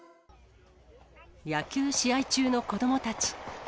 野球試合中の子どもたち。